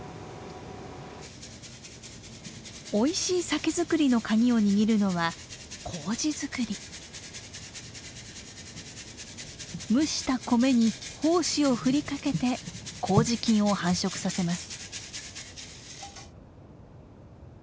美味しい酒造りの鍵を握るのは蒸した米に胞子を振りかけて麹菌を繁殖させます。